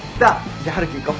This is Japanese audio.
じゃあ春樹行こ。